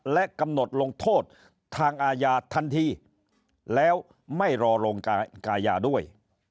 และกำหนดลงโทษทางอาญาทันทีแล้วไม่รอลงอาญาด้วย